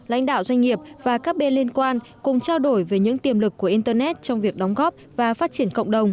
lãnh đạo doanh nghiệp và các bên liên quan cùng trao đổi về những tiềm lực của internet trong việc đóng góp và phát triển cộng đồng